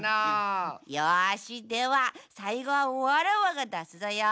よしではさいごはわらわがだすぞよ。